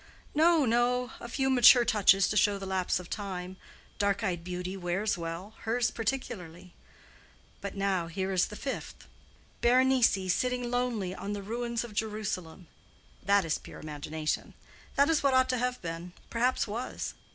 "No, no; a few mature touches to show the lapse of time. Dark eyed beauty wears well, hers particularly. But now, here is the fifth: Berenice seated lonely on the ruins of Jerusalem. That is pure imagination. That is what ought to have been—perhaps was.